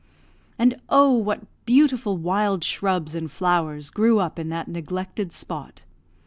And, oh! what beautiful wild shrubs and flowers grew up in that neglected spot!